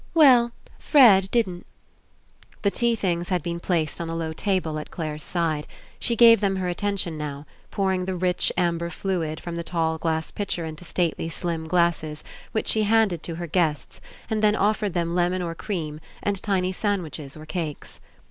"Well, Fred didn't." The tea things had been placed on a low table at Clare's side. She gave them her atten tion now, pouring the rich amber fluid from the tall glass pitcher Into stately slim glasses, which she handed to her guests, and then offered them lemon or cream and tiny sandwiches or cakes.